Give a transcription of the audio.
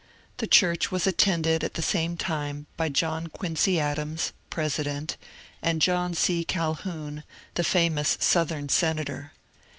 The church was attended at the same time by John Quincy Adams, President, and John C. Calhoun, the famous Southern senator.